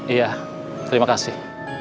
iya terima kasih